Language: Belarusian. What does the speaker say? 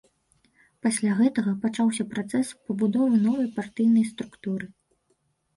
Пасля гэтага пачаўся працэс пабудовы новай партыйнай структуры.